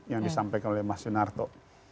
yang disampaikan oleh mas sunarto